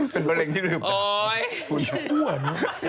เป็นมะเร็งที่หลืบดาก